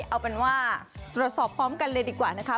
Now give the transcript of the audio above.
เอาเป็นว่าตรวจสอบพร้อมกันเลยดีกว่านะคะ